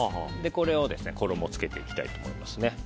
これに衣をつけていきたいと思いますね。